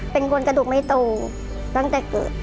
เป็นคนกระดูกไม่โตตั้งแต่เกิด